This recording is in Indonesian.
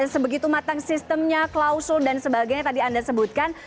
sebegitu matang sistemnya klausul dan sebagainya tadi anda sebutkan